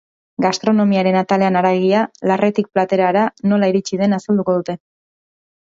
Gastronomiaren atalean haragia, larretik platerara nola iristen den azalduko dute.